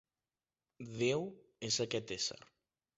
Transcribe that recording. Déu és aquest ésser.